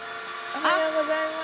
おはようございます。